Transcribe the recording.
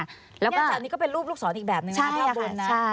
นี่อาจารย์อันนี้ก็เป็นรูปลูกสอนอีกแบบหนึ่งนะ